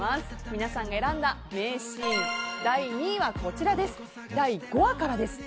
皆さんが選んだ名シーン第２位は第５話からです。